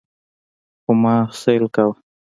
خو ما سيل کاوه.